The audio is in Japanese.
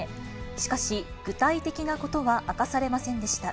しかし、具体的なことは明かされませんでした。